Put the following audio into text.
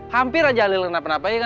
hampir aja halil kenapa kenapainya